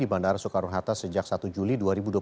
bandara soekarno hatta sejak satu juli dua ribu dua puluh